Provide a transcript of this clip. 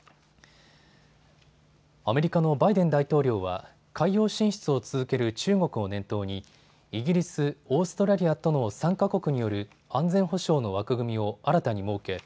アメリカのバイデン大統領は海洋進出を続ける中国を念頭にイギリス、オーストラリアとの３か国による安全保障の枠組みを新たに設け